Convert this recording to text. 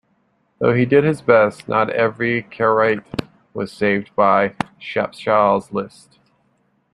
Though he did his best, not every Karaite was saved by Shapshal's list.